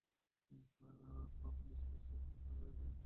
Police পরিচয়ে অপহরণকারীরা তাঁর কাছ থেকে মোটা অঙ্কের মুক্তিপণ দাবি করেছিল।